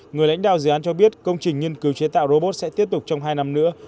người lãnh đạo dự án cho biết công trình nghiên cứu chế tạo robot sẽ tiếp tục trong hai năm nữa